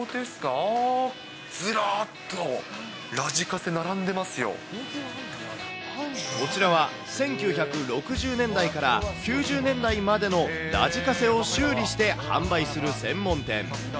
あー、ずらーっこちらは、１９６０年代から９０年代までのラジカセを修理して販売する専門店。